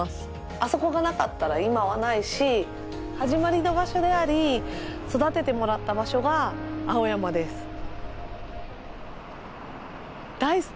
あそこがなかったら今はないしはじまりの場所であり育ててもらった場所が青山です大好き！